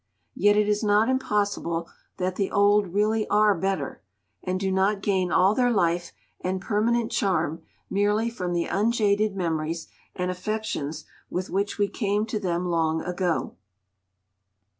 Yet it is not impossible that the old really are better, and do not gain all their life and permanent charm merely from the unjaded memories and affections with which we came to them long ago.